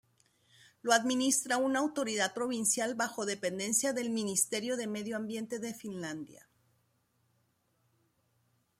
Lo administra una autoridad provincial bajo dependencia del Ministerio de Medio Ambiente de Finlandia.